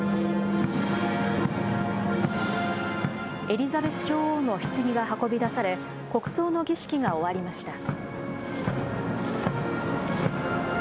エリザベス女王のひつぎが運び出され、国葬の儀式が終わりました。